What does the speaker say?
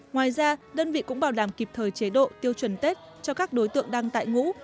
ngoài ra đơn vị cũng bảo đảm kịp thời chế độ tiêu chuẩn tết cho các đối tượng đang tại ngũ